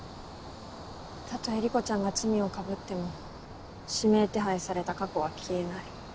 たとえ理子ちゃんが罪を被っても指名手配された過去は消えない。